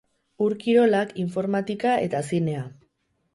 Ur-kirolak, informatika eta zinea.